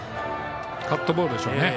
カットボールでしょうね。